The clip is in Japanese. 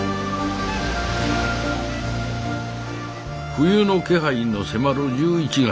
冬の気配の迫る１１月。